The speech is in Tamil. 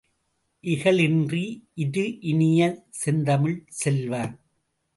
இகல்இன்றி இரு இனிய செந்தமிழ் செல்வ!